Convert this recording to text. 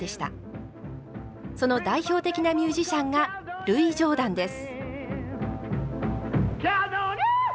その代表的なミュージシャンがルイ・ジョーダンです。